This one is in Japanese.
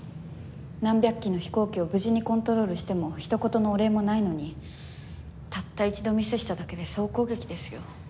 何百機の飛行機を無事にコントロールしてもひと言のお礼もないのにたった一度ミスしただけで総攻撃ですよ。